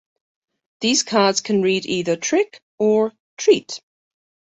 These cards can read either 'Trick' or 'Treat'.